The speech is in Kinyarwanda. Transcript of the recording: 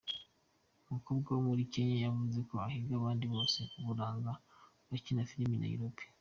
Umukobwa wo muri Kenya yavuze ko ahiga abandi bose uburanga bakina filime i Nairobi.